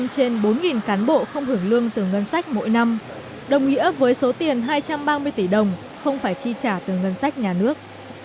hai ba trăm linh trên bốn cán bộ không hưởng lương từ ngân sách mỗi năm đồng nghĩa với số tiền hai trăm ba mươi tỷ đồng không phải chi trả từ ngân sách nhà nước